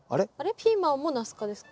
ピーマンもナス科でしたっけ？